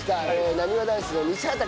なにわ男子の西畑君です。